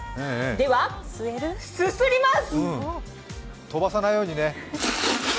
では、すすります！